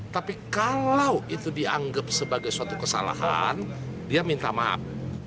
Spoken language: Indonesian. tapi kalau itu dianggap sebagai suatu kesalahan dia minta maaf